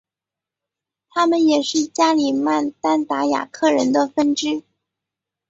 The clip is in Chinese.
他们也是加里曼丹达雅克人的分支。